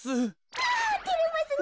うわてれますね